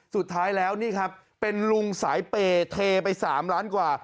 สุดท้ายแล้วนี่ครับเป็นลุงสายเปย์เทไป๓ล้านกว่า